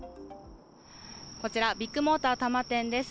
こちらビッグモーター多摩店です。